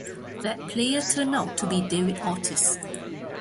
That player turned out to be David Ortiz.